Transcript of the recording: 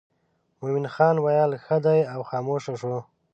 مومن خان ویل ښه دی او خاموش شو.